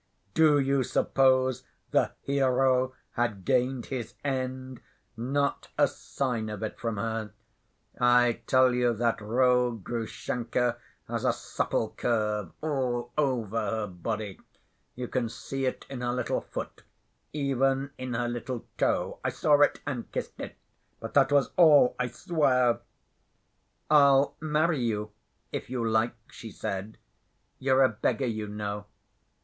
Do you suppose the hero had gained his end? Not a sign of it from her. I tell you that rogue, Grushenka, has a supple curve all over her body. You can see it in her little foot, even in her little toe. I saw it, and kissed it, but that was all, I swear! 'I'll marry you if you like,' she said, 'you're a beggar, you know.